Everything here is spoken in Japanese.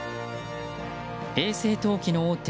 衛生陶器の大手